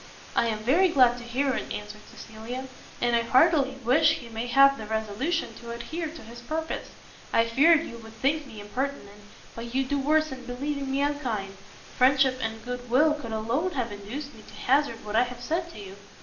"I am very glad to hear it," answered Cecilia, "and I heartily wish he may have the resolution to adhere to his purpose. I feared you would think me impertinent, but you do worse in believing me unkind: friendship and good will could alone have induced me to hazard what I have said to you.